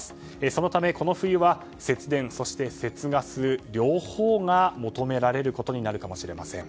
そのため、この冬は節電そして節ガス両方が求められることになるかもしれません。